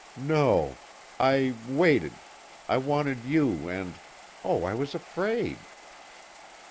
"No. I waited. I wanted you and Oh, I was afraid!"